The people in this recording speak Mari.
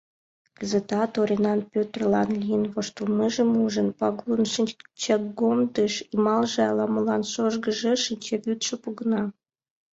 Кызытат, Оринан Пӧтырлан лийын воштылмыжым ужын, Пагулын шинчагомдыш йымалже ала-молан чожгыжеш, шинчавӱдшӧ погына.